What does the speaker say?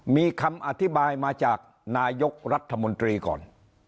มีคำอธิบายมาจากนายกรัฐมนตรีก่อน